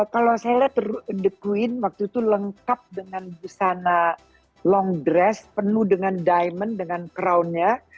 kalau saya lihat the queen waktu itu lengkap dengan busana long dress penuh dengan diamond dengan crownnya